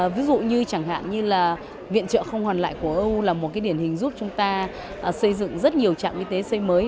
ví dụ như chẳng hạn viện trợ không hoàn lại của âu là một điển hình giúp chúng ta xây dựng rất nhiều trạm y tế xây mới